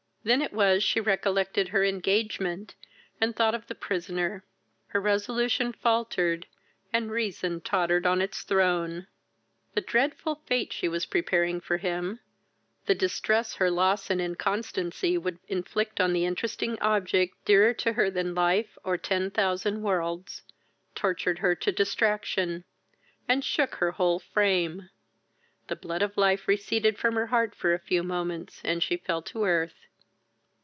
Then it was she recollected her engagement, and thought of the prisoner. Her resolution faltered, and reason tottered on its throne. The dreadful fate she was preparing for him, the distress her loss and inconstancy would inflict on the interesting object, dearer to her than life, or ten thousand worlds, tortured her to distraction, and shook her whole frame: the blood of life receded from her heart for a few moments, and she fell to the earth.